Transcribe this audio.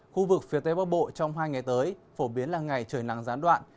khu vực phía tây bắc bộ trong hai ngày tới phổ biến là ngày trời nắng gián đoạn